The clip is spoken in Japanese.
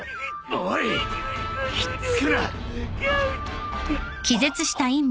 おいひっつくな！